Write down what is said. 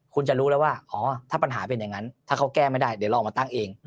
คุณจะรู้แล้วว่าอ๋อถ้าปัญหาเป็นอย่างนั้นถ้าเขาแก้ไม่ได้เดี๋ยวเราออกมาตั้งเอง